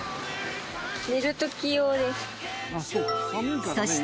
寝るとき用です。